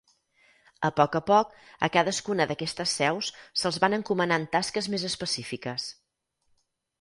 A poc a poc, a cadascuna d'aquestes seus se'ls van encomanant tasques més específiques.